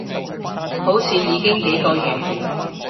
好似已經幾個月